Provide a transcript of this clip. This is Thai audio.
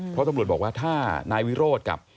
เพราะตำรวจบอกว่าถ้านายวิโรธกับ